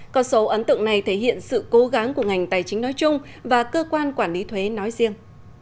con số ấn tượng này thể hiện sự cố gắng của ngành tài chính nói chung và cơ quan quản lý thuế nói riêng